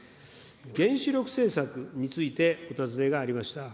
原子力政策についてお尋ねがありました。